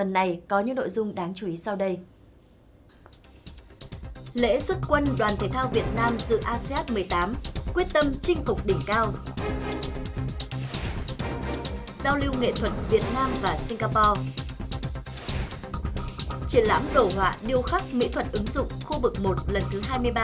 kỹ thuật ứng dụng khu vực một lần thứ hai mươi ba